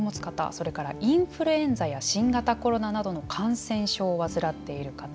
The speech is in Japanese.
それからインフルエンザや新型コロナなどの感染症を患っている方。